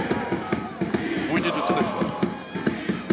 Cuide do telefone